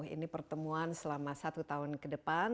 ini pertemuan selama satu tahun ke depan